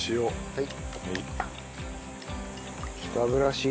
はい。